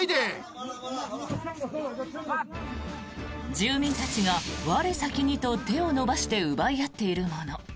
住民たちが我先にと手を伸ばして奪い合っているもの